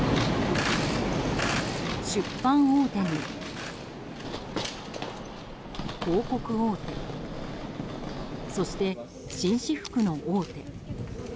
出版大手に広告大手そして紳士服の大手。